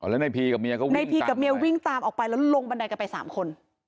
อ๋อแล้วนายพีกับเมียก็วิ่งตามไปนายพีกับเมียวิ่งตามออกไปแล้วลงบันไดกลาย๓คน